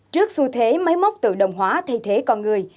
trước xu thế máy móc tự động hóa thay thế con người